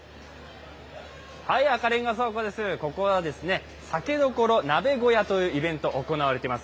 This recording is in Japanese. ここは酒処鍋小屋というイベント、行われています。